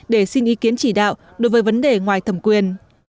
để xin ý kiến chỉ đạo đối với vấn đề ngoài thẩm quyền